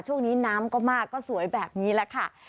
ช่วงนี้น้ำก็มากก็สวยแบบนี้แหละค่ะ